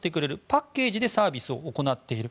パッケージでサービスを行っている。